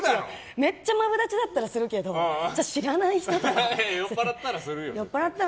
めっちゃマブダチだったらするけど知らない人だったら。